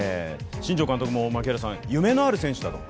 新庄監督も、夢のある選手だと。